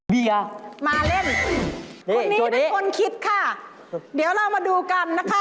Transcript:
เมียมาเล่นวันนี้ไม่ได้คนคิดค่ะเดี๋ยวเรามาดูกันนะคะ